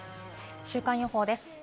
週間予報です。